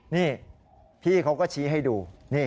นี่พี่เขาก็ชี้ให้ดู